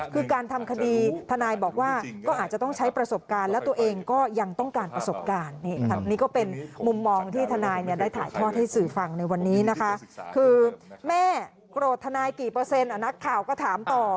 คือแม่โกรธทนายกี่เปอร์เซ็นต์นักข่าวก็ถามต่อ